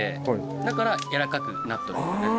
だからやわらかくなっとるんよね。